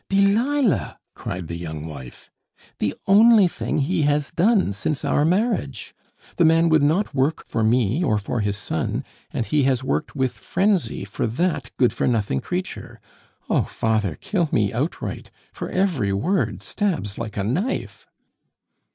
"Delilah!" cried the young wife. "The only thing he has done since our marriage. The man would not work for me or for his son, and he has worked with frenzy for that good for nothing creature. Oh, father, kill me outright, for every word stabs like a knife!"